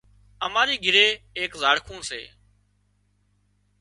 اماري گھري ايڪ زاڙکون سي